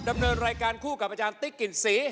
ดำเนินรายการคู่กับอาจารย์ติ๊กกลิ่นศรี